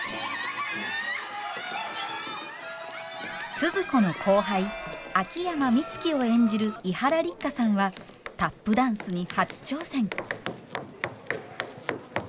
スズ子の後輩秋山美月を演じる伊原六花さんはタップダンスに初挑戦。